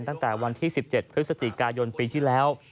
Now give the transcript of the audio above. ตั้งแต่วันที่๑๗พฤศจิกายนปีที่แล้ว